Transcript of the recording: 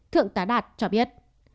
thượng tá đạt cho biết